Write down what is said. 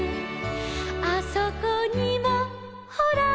「あそこにもほら」